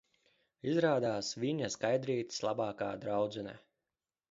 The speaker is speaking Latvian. Izrādās, viņa Skaidrītes labākā draudzene...